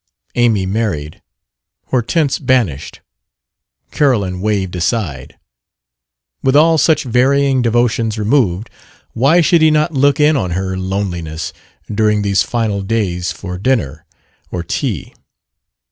Amy married. Hortense banished. Carolyn waved aside. With all such varying devotions removed, why should he not look in on her loneliness, during these final days, for dinner or tea?